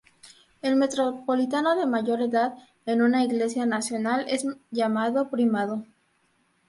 El metropolitano de mayor edad en una Iglesia nacional es llamado primado.